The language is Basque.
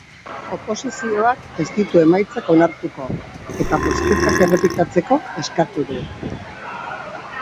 Oposizioak ez ditu emaitzak onartuko, eta bozketak errepikatzeko eskatu du.